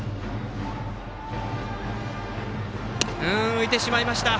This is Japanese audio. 浮いてしまいました。